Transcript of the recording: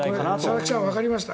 佐々木さんわかりました。